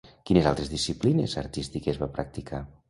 Quines altres disciplines artístiques va practicar?